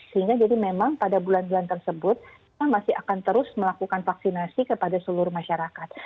sehingga jadi memang pada bulan bulan tersebut kita masih akan terus melakukan vaksinasi kepada seluruh masyarakat